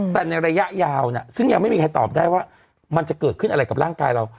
แต่ในระยะยาวซึ่งยังไม่มีใครตอบได้ว่ามันจะเกิดขึ้นอะไรกับร่างกายเรา